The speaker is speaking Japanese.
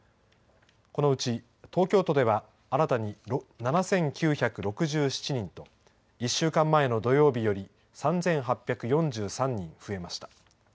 このうち東京都では新たに７９６７人と１週間前の土曜日より３８４３人増えました。